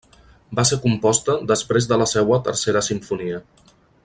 Va ser composta després de la seua tercera simfonia.